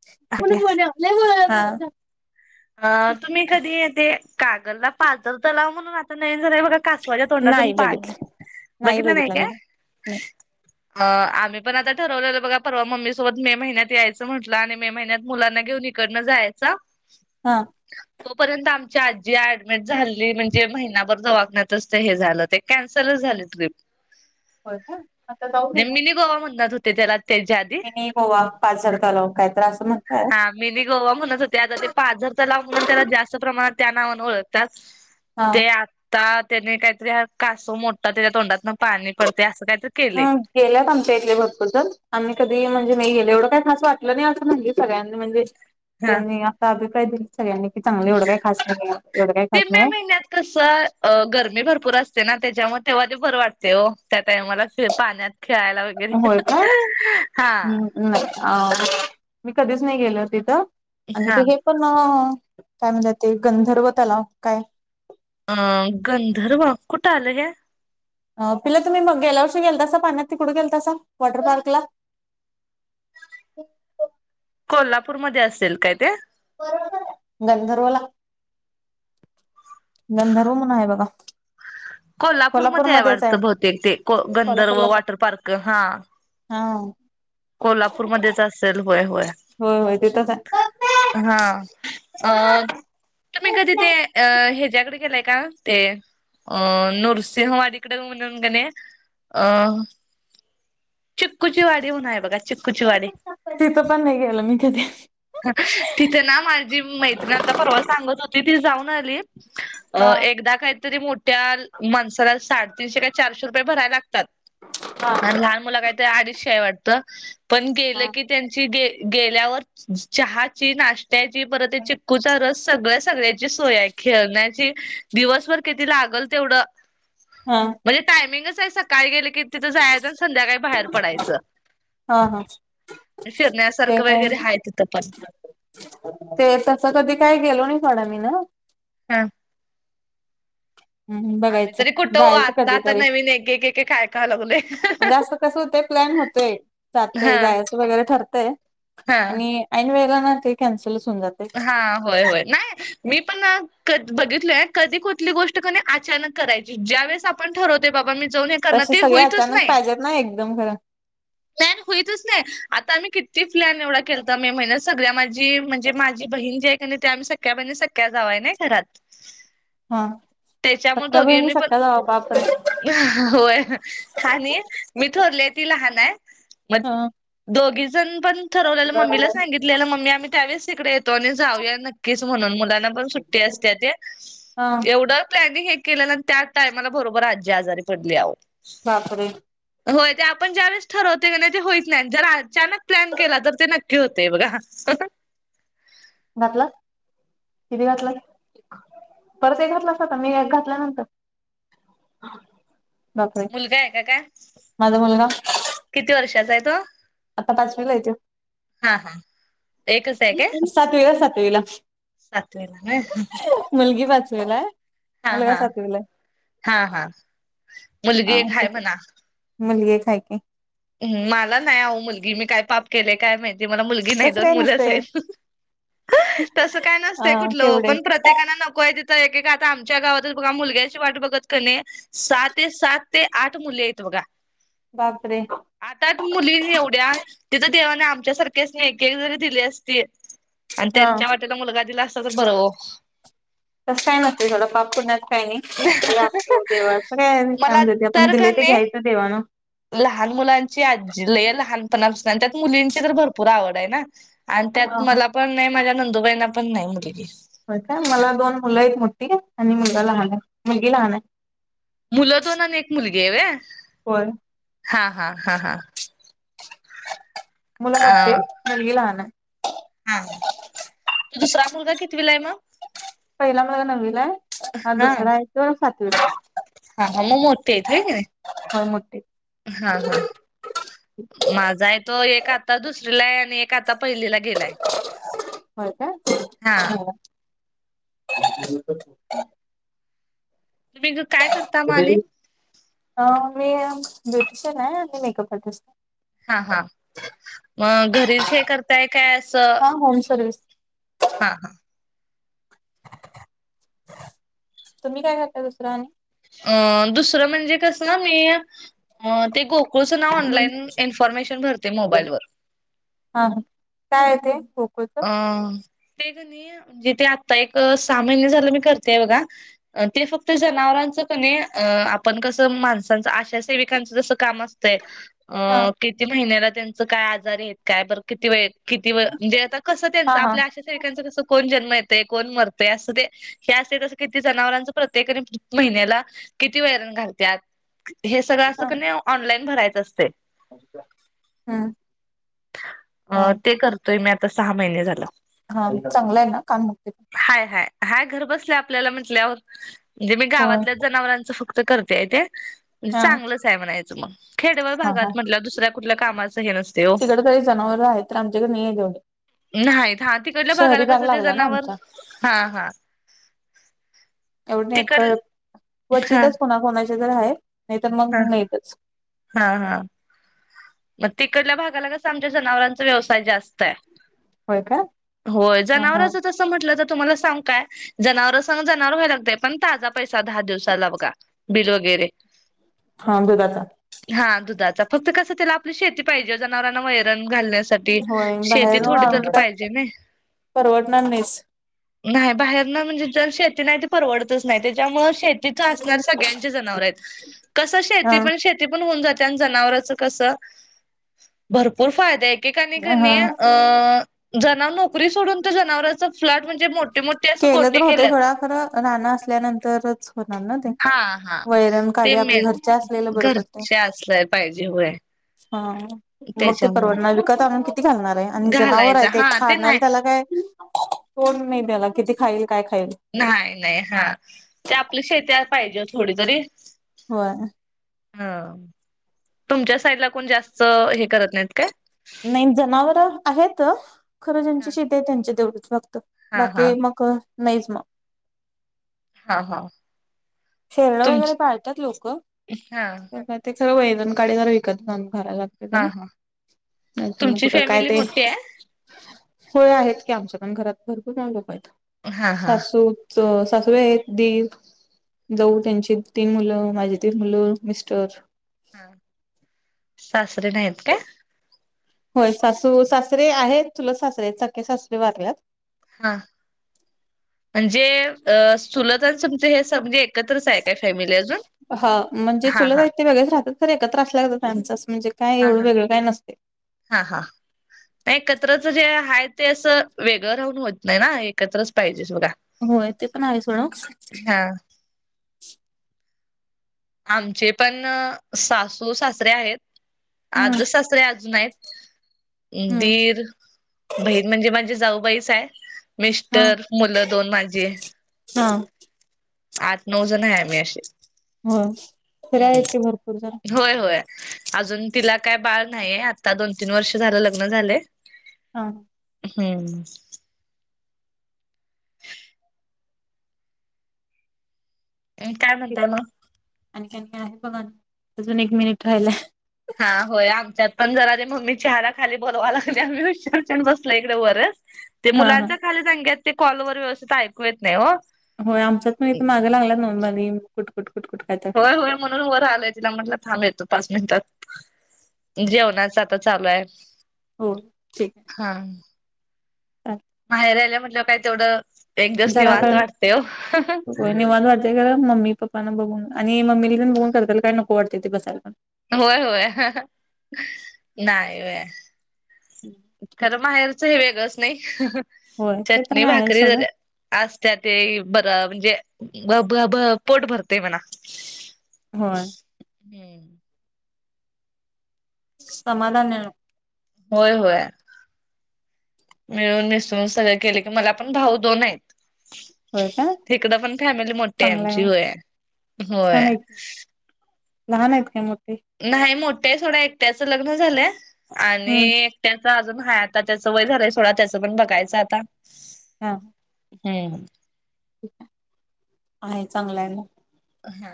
[inaudible] [unintelligible] अ तुम्ही कधी येते कागलला पाजल तलाव म्हणून आता नवीन झालंय बघा कासवाच्या तोंडातून नाही पाणी बघितलं बघितलं नाही काय. हू अ आम्ही पण आता ठरवलेलो बघा परवा मम्मी सोबत मे महिन्यात यायचं म्हटलं आणि मे महिन्यात मुलांना घेऊन कडनं जायच. हा तोपर्यंत आमची आजी ऍडमिट झाली म्हणजे महिनाभर दवाखान्यातच ते हे झालं ते. कॅन्सल झाली ट्रिप होय का आता जाऊ मिनी गोवा म्हणणार होते त्याला. [unintelligible] मीनी गोवा पाजर तलाव काय तर अस म्हणतात. हा मिनी गोवा म्हणत होते आता ते पाझर तलाव म्हणून त्याला जास्त प्रमाणात त्या नावानं ओळखतात. हा ते आता त्याने काहीतरी कासव मोठा त्या तोंडातन पाणी पडते असं काहीतरी केले हा गेल्यात आमच्या इथले भरपर जण आम्ही कधी म्हणजे नाही गेले एवढं काही खासं वाटलं नाही असं म्हण सगळ्यांनी म्हणजे हा त्यांनी असा अभिप्राय दिला. सगळ्यांनी की चांगलं एवढं काय खास नाही ये एवढं काय खास नाही ये. त कसं अ गरमी भरपूर असते ना त्याच्यामुळे तेव्हा ते बरं वाटते हो त्या टाइमाला पाण्यात खेळायला होय काय [inaudible] हा नाही मी कधीच नाही गेलो हो तिथं आणि हा ते हे पण काय म्हणतात ते गंधर्व तलाव काय. अ गंधर्व कुट आले हे. अ पिला तुम्ही मग गेल्या वर्षी गेलतासा पाण्यात तिकड की कुठे गेलता अससा वॉटर पार्कला. कोल्हापूर मध्ये असेल काय ते. गंधर्वला गंधर्व म्हणून आहे बघा. कोल्हापूर मध्ये ये कोल्हापूरमध्येच वाटत आहे बहुतेक ते को गंधर्व कोल्हापूरलाच वॉटर पार्क हा. आहे हा कोल्हापूरमध्येच असेल होय होय. होय होय तिथेच ये. हा अ तुम्ही कधी ते अ ह्यांच्याकडे गेलाय का ते अ नृसिंहवाडी कडे म्हणून का नाय. अं चिक्कूची वाडी होन आहे बघा चिक्कूची वाडी तिथं पण नाही गेलं मी कधी. तिथे ना माझी मैत्रिण आता परवा सांगत होती ती जाऊन आली हा अ एकदा काहीतरी मोठ. त्या माणसाला साडेतीनशे का चारशे रुपये भरायला हा लागतात आणि लहान मुला. अडीचशे वाटत पण गेलं हा की त्यांची गेल्यावर. चहाची नाश्त्याची परत आहे चिक्कूचा रस. सगळ्या सगळ्याची सोय खेळण्याची दिवसभर किती लागल तेवढं. हा. म्हणजे टायमिंगच आहे सकाळी गेले की तिथं जायचं आणि संध्याकाळी बाहेर पडायचं. हा हा ते फिरण्यासारखं काय वगैरे ह तिथं पण. ते तस कधी काय गेलो नाही थोडा मी न हां हम्म आम्ही बघायच तरी कुठं ओ जायच आता आता कधीतरी नवीन एक एक एक एक ऐकाय लागलोय. हे अस कस होतय प्लॅन होत ते हा जातय जायच वगैरे ठरतय हा. आणि ऐन वेळेला ना ते कॅन्सलच होऊन जात. हां होय होय नाही. मी पण ना बघितलय कधी कुठली गोष्ट कनय अचानक करायची ज्या वेळेस आप पण ठरवते बाबा मी जाऊनच तसे सगळे अचानक पाहिजेत ना एकदम खरं. [unintelligible] होईतच नाय आता आम्ही किती प्लॅन एवढा केलता मे महिन्यात सगळ्या माझी म्हणजी मा माझी बहीण जी आहे कीनाय आम्ही सख्या बहिणी सख्या जावाय न घरात. हा त्याच्यामुळे सख्या बहिणी दोघींनी पण सख्या जाबा बा आपण. होय आणि मी थोरली ती लहान आहे. मग हा दोघी जण पण ठरलेल मम्मीला सांगितलेल मम्मी आम्ही त्यावेळेस तिकडेे ये जाऊया नक्कीच म्हणून मुलांना पण सुट्टी असते ते हा एवढ प्लॅनिंग हे केले त्या टायमाला बरोबर आजी आजारी पडली आहेहो. बापरे होय ते आपण ज्यावेेळेस ठरवते की नाही ते होईत नाही. जर अचानक प्लॅन केला तर ते नक्की होतय बघा. आता. घातल, किती घातल? परत एक घातलास का, मी एक घातल्यानंतर? [inaudible] बापरे मुलगा आहे का काय? माझा मुलगा किती वर्षाचा आहे तो? आता पाचवीला आहे हां हां एकच आहे काय? तो सातवीला सातवीला. सातवीला काय? मुलगी वाचवेला. हां हां हां हां मुलगी हा एक हाय ठीक म्हणा. मुलगी एक हाय की. मला नाही आहो मुलगी. मी काय पाप केले काय माहिती मला मुलगी. मुलगी नाही तसं दोन काय मुलंच नसतंय आहे. तसं काय अ नसतं कुठलं ओ केवढे पण प्रत्येक. प्रत्येकांना नको आहे तिथं एक एक आता आमच्या गावातच बघा मुलग्याची वाट बघत कणी सहा ते सात ते आठ मुली आहेत बघा. बापरे आतात मुलीनी एवढ्याच तिथं देवाने आमच्या सारख्या एक एक जरी दिली असती. आणि हा त्यांच्या वाट्याला मुलगा दिला असता तर बरं ओ. तस काय नव्हते. थोडं पाप पुुण्यात काही नाही. असलं आपलं देवांकडे. काय मला म्हणता जे पण तर दिले ते कणी घ्यायचं देवानं. लहान मुलांची आजी लय लहान. पण त्यात मुलींची तर भरपूर आवड आहे ना. आणि त्यात मला पण नाही. माझ्या नंदुबाईंना पण नाही मुलगी दिली हो का मला दोन मुलं आहेत मोठी. आणि मुलगा लहान आहे मुलगी लहान आहे. मुलं दोन आणि एक मुलगीये व्हयं. होय. हा हा हा हा. मुलं अ मोठेय. मुलगी लहानये. हा. दुसरा मुलगा कितीवीला आहे मग. पहिला मुलगा नववीलाय अन् हा दुसराय तो सातवीलाय. हा मग मोठी हेतवी ही की नाही. हं मोठी हा हा माझा आहे तो एक आता दुसरीला आहे आणि एक आता पहिलीला गेलाय. हो का. हा हो तुम्ही गं काय कर मी ब्युटिशियन आहे. आणि मेकअप करतेस हा हा. मग घरीच काय करताय काय असं. हा. Home service. हा हा तुम्ही काय करता दुसरं आणि. अ दुसरं म्हणजे कसं ना मी ते गो. गोचना म्हणलंय ना मी इन्फॉर्मेशन भरते मोबाईल वर. हा काय आहे ते खुपचं अ ते कनि. जे ते आता एक सहा महिने झालं मी करतेय बघा. ते फक्त जनावरांच क नाही आपण कसं माणसांचं आशा सेविकांचं जसं काम असत. हा किती महिन्याला त्यांच काय आजारी आहेत काय. बरं किती वेळ किती वय कसं त्यांच. हा हा आपल्या आशा सेविकांच कसं कोण जन्म येतंय कोण मरतंय असं ते. हे अस कसं. किती जनावरांच प्रत्येकाने महिन्याला किती वेरण घालत्यात. हे सगळं असं हा क नाही ऑनलाईन भरायचं असते. हम्म हा अ ते करतोय मी आता सहा महिने झालं. हा चांगलं आहे ना काय मग ते. हाय हाय हाय घर बसले आपल्याला म्हटल्यावर म्हणजे मी होय. गावातल्या जनावरांच फक्त. तर करतेय ते म्हणजे हा चांगलच आहे म्हणायचं मग खेडेवर हा भागात हा म्हटलं दुसऱ्या कुठल्या कामाचं हे नसते हो तिकडे तरी जनावर आहे तर आच्याकडे नाही तेवढे नाहीत हा तिकडल्या भागाला कसं ते लागला ना जनावर आमचा हा हा एवढे नाहीत तिकड का हा क्वचितच कोणा कोणाचे घरी आहे नाही तर मग हा नाहीहेतज हा हा म तिकडल्या भागाला कसं आमच्या जनावरांचा व्यवसाय जास्त आहे. होय का होय, हा हा जनावराचं तसं म्हटलं तर तुम्हाला सांग काय जनावर सांग जनावर व्हाय लागतय पण ताजा पैसा दहा दिवसाला बघा. बिल वगैरे हा दुधाचा हा दुधाचा, फक्त कसं त्याला आपली शेती पाहिजे जनावरांना वैरण घालण्यास साठी होय शेती बाहेरून थोडी तर आणून काय पाहिजे नाई. परवडणार नाहीच नाही बाहेर ना म्हणजे जर शेती नाही तर परवडतच नाही, त्याच्यामुळे शेती तिथं असणारे सगळ्यांचे जनावर आहेत, कसं शेती हा पण शेती पण होऊन जाते आणि जनावराच कसं भरपूर फायदे एके काणी हा घणी अ जणा नुक कुरी सोडून तर जनावरांचा फ्लॅट म्हणजे मोठे -मोठे असं केलं गोटे तर होते केल्यात. थोडा खरं रानं असल्यानंतरच होणार ना ते हा -हा वैरण ते काडी आपली मेण, घरच्या असलेलं बरं पडते घरचे असल्याल पाहिजे व्हय, हा मग ते परवडणार ये विकत आणून किती घालणार ये आणि जनावर आहे घालायचा ते हा खाणार, नाही हाये काय कोड नाही त्याला किती खाईल, काय खाईल? नाही- नाही हा ते आपल्या शेतीला पाहिजेच थोडी तरी. होय, हं, तुमच्या साईड ला कोण जास्त हे करत नाहीत काय? नाही जनावर आहे त खरं ज्यांची शेती आहे, त्यांचे तेवढंच फक्, हा हा हा बाकी मक नहीच म, हा -हा, शेरडं वगैरे तुमची पाळतात लोकं, हा पण काय ते सगळं वैगन काळी जरा विकत म्हण घरायला ते झालं, हा हा नाही तर मग तुमची कुठं काय फॅमिली ते मोठी आहे होय आहेत की आमच्या पण घरात, भरपूर जण लोक आहेत हा हा सासू स सासवे आहेत, दीर जाऊ त्यांची तीन मुलं, माझी तीन मुलं, मिस्टर हा, सासरे नाहीयेत काय? होय सासू- सासरे आहेत, चुलत सासरे सख्ख्या सासरे वाारल्यात. हा, म्हणजे अ सुलतनम हे स म्हणजे एकत्रच आहे काय फॅमिली अजून? हा म्हणजे हा चुलं हा ते वगळेच राहतात, तर एकत्र असल्यागत त्यांच म्हणजे काय हा एवढं हा वेगळं काय नसते. हा -हा नाही एकत्रच जे आहे ते असं वेगळं राहून होत नाही ना, एकत्रच पाहिजे सुधा होय ते पण आहे, सोडा आमचे पण अं सासू- सासरे आहेत, हम्म आज्ज सासरे अजून आहेत. हम्म दीर, बहीण म्हणजे माझी जाऊबाईस आहे. हा मिस्टर, मुलं दोन माझी हा, आठ -नऊ जण आहे आम्ही आशे. हो तरी आहेत की भरपूर जण. होय, होय अजून तिला काय बाळ नाहीये, आता दोन तीन वर्ष झालं लग्न झालं ये. हा, हम्म, अन् काय म्हणताय म? आणखीन काय आहे बघाना, अजून एक मिनिट राहिलाय. हा होय आमच्यात पण जरा ते मम्मीच्या चहला खाली बोलवा लागल्या आम्ही हुशारचन बसलोय इकडे वरचं. ते हा हा मुलांच्या खाली दंग्यात, ते कॉलवर व्यवस्थित ऐकू येत नाही ओ. होय. आमच्यात पण इथ मागं लागल्यात मोबाईल दे. कुटकुट कुटकुट काय तर होय होय म्हणून वर आलोय. तिला म्हटलं थांब येतो पाच मिनिटात. जेवणाच आ चालू आहे. हो ठीक आहे. हां. माहेरी आल्यावर म्हंटल काय तेवढं एक दिवस जरा निवांत कारण वाटतंय हो. होय निवांत वाटतंय खरं, मम्मी पप्पांना बघून. आणि मम्मीला बघून कलकल काय नको वाटते ते [unintelligible] होय होय. नाही व्हंय. खरं माहेरच हे वेगळंच नाही, होय ते तर चटणी काय आहे भाकरी सोडा जरी आसत्या ते बरं, म्हणजे भ भ भ पोट भरतंय म्हणा. होय. हम्म. समाधान मिळो होय होय. मिळून मिसळून सगळं केलं की, मला पण भाऊ दोन आहेत. होय काय तिकडं पण फॅमिली मोठी आहे आमची. होय छान होय. आहे की लहान आहेत काय मोठी? नाही. मोठ्या आहे सोडा एक त्याचं लग्न झालंय हम्म आणि त्याच अजून हाय, आता त्याचं वय झालंय सोळा. त्याचं पण बघायचं आता. हा. हम्म. [inaudible] आहे चांगलं आहे ना? हा.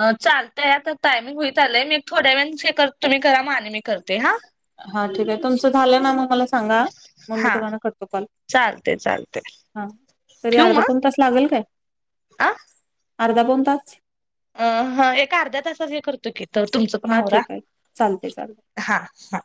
अ चालतंय आता टायमिंग होईत आलंय. मी एक थोड्या वेळानीच हे कर तुम्ही करा, मग आणि मी करते हां. हां ठीक आहे. तुमचं झालं ना, मग मला सा सांगा. मग मी हा तुम्हाला करते कॉल. चालतंय चालतंय [inaudible] हां. तरी ठेवू अर्धा मग पाऊण तास लागलं काय? आ. अर्धा पाऊण तास. अ हां एक अर्ध्या तासात हे करतो की, तर तुमचं पण हा आवरा. ठीक आहे चालते चालते हा हा.